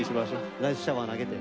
ライスシャワー投げて。